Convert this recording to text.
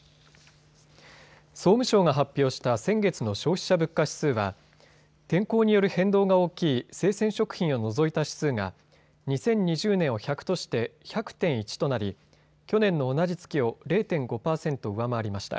総務省が発表した先月の消費者物価指数は天候による変動が大きい生鮮食品を除いた指数が２０２０年を１００として１００．１となり去年の同じ月を０．５％上回りました。